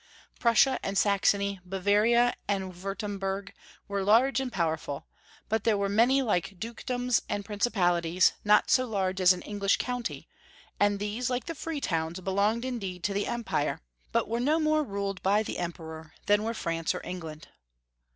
Prussia and Saxony, Bavaria and Wurtemburg, were large and powerful, but there were many like dukedoms and principalities, not so large as an English county, and these, like the free towns, belonged indeed to the Empire, but were no more ruled by the Em peror than were France or England.